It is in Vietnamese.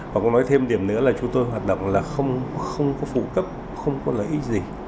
và cũng nói thêm điểm nữa là chúng tôi hoạt động là không có phụ cấp không có lợi ích gì